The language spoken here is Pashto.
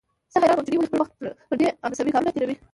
زه حيران وم چې دوى ولې خپل وخت پر دې عبثو کارونو تېروي.